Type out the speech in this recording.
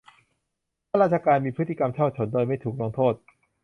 ข้าราชการมีพฤติกรรมฉ้อฉลโดยไม่ถูกลงโทษ